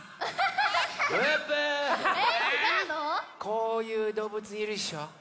こういうどうぶついるでしょ？